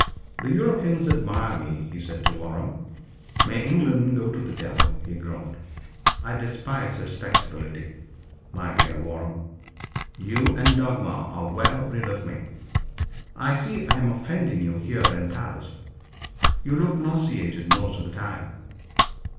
"The Europeans admire me," he said to Waram. "May England go to the devil." He groaned. "I despise respectability, my dear Waram. You and Dagmar are well rid of me. I see I'm offending you here in Paris you look nauseated most of the time.